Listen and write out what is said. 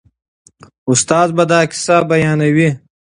استاد به دا کیسه بیانوي.